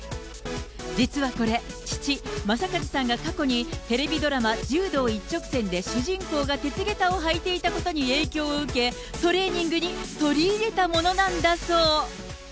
実はこれ、父、正和さんが過去にテレビドラマ、柔道一直線で主人公が鉄げたを履いていたことに影響を受け、トレーニングに取り入れたものなんだそう。